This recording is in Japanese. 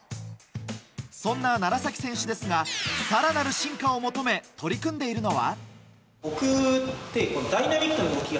そんな楢崎選手ですが更なる進化を求め取り組んでいるのは。